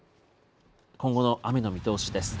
今後の雨の見通しです。